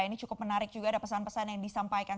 ini cukup menarik juga ada pesan pesan yang disampaikan